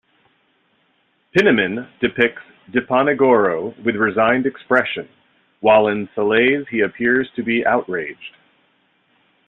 Pieneman depicts Diponegoro with resigned expression, while in Saleh's he appears to be outraged.